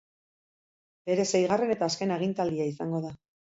Bere seigarren eta azken agintaldia izango da.